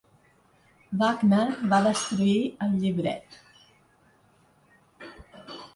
Wagner va destruir el llibret.